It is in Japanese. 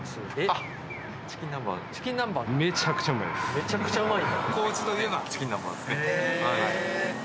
めちゃくちゃうまい？